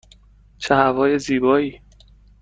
چه هوای زیبایی!